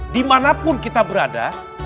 dimanapun kita berada